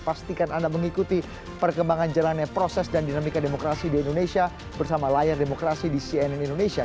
pastikan anda mengikuti perkembangan jalannya proses dan dinamika demokrasi di indonesia bersama layar demokrasi di cnn indonesia